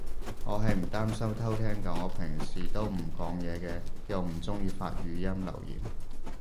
我係唔擔心偷聼嘅，我平時都唔講嘢嘅。又唔中意發語音留言